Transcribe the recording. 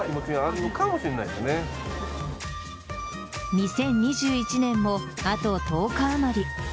２０２１年もあと１０日あまり。